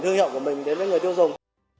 thư hiệu của mình đến với người tiêu dùng